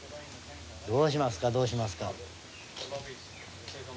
どうしますか、どうしますか。